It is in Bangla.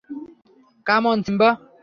Come on, Simba!